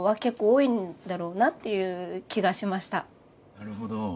なるほど。